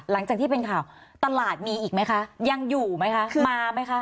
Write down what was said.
หลังจากที่เป็นข่าวตลาดมีอีกไหมคะยังอยู่ไหมคะมาไหมคะ